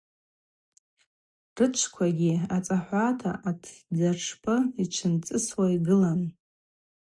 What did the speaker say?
Рычвквагьи ацӏахӏвата, атдзатшпы йчвынцӏысуа йгылан.